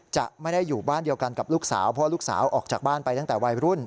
จะไม่ได้อยู่บ้านเดียวกันกับลูกสาวเพราะลูกสาวออกจากบ้านไปตั้งแต่วัยรุ่น